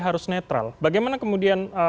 harus netral bagaimana kemudian